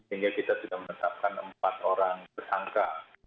sehingga kita sudah menetapkan empat orang tersangka